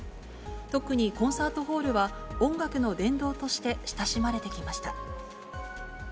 特にコンサートホールは、音楽の殿堂として親しまれてきました。